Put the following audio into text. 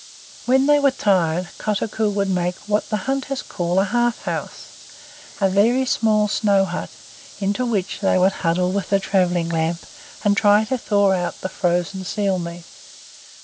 When they were tired Kotuko would make what the hunters call a "half house," a very small snow hut, into which they would huddle with the travelling lamp, and try to thaw out the frozen seal meat.